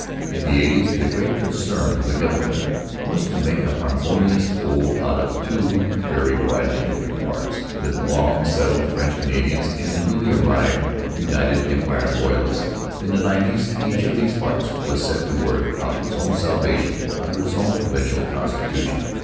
In the eighties the great concern of the government was to make a harmonious whole out of two very widely differing parts the long settled French Canadians and the newly arrived United Empire Loyalists. In the nineties each of these parts was set to work out its own salvation under its own provincial constitution.